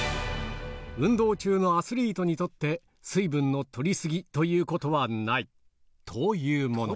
運動中のアスリートにとって、水分のとり過ぎということはないというもの。